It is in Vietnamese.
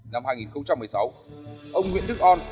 năm hai nghìn một mươi sáu ông nguyễn đức on